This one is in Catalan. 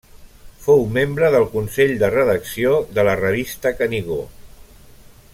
Fou membre del consell de redacció de la revista Canigó.